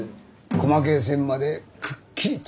細けえ線までくっきりと。